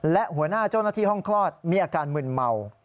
และหัวหน้าเจ้าหน้าที่ห้องคลอดมีอาการมึนเมา